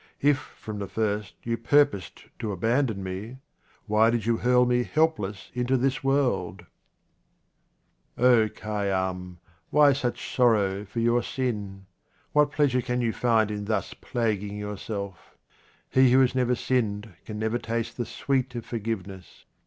If from the first you purposed to abandon me, why did you hurl me helpless into this world ? O Khayyam, why such sorrow for your sin ? What pleasure can you find in thus plaguing yourself ? He who has never sinned can never taste the sweet of forgiveness.